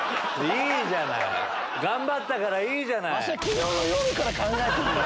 いいじゃない！頑張ったからいいじゃない！